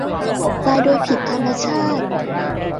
ตายโดยผิดธรรมชาติ